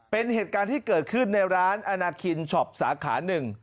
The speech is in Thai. เป็นเหตุการณ์ที่เกิดขึ้นในร้านอนาคินช็อปสาขาหนึ่ง